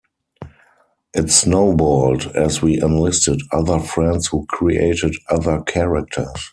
It snowballed as we enlisted other friends who created other characters.